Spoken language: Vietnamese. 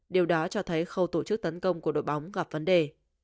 điều đó cho thấy khâu tổ chức tấn công của đội bóng gặp vấn đề